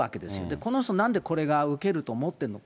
この人、なんでこれが受けると思ってるのか。